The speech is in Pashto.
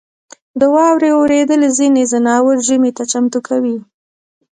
• د واورې اورېدل ځینې ځناور ژمي ته چمتو کوي.